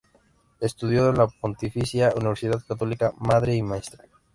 Estudió en la Pontificia Universidad Católica Madre y Maestra.